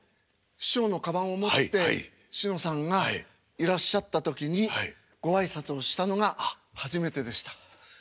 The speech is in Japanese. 師匠のかばんを持ってしのさんがいらっしゃった時にご挨拶をしたのが初めてでした。